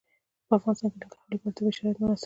په افغانستان کې د ننګرهار لپاره طبیعي شرایط مناسب دي.